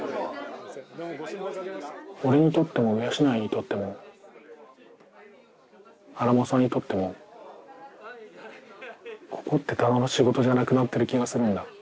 俺にとっても鵜養にとっても新政にとってもここってただの仕事じゃなくなってる気がするんだ。